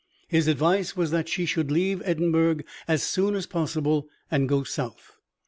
His advice was that she should leave Edinburgh as soon as possible, and go South.